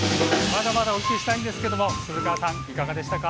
まだまだお聴きしたいんですけれども鈴川さん、いかがでしたか。